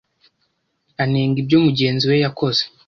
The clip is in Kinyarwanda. anenga ibyo mugenzi we yakoze